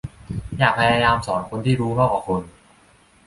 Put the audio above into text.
อย่าพยายามสอนคนที่รู้มากกว่าคุณ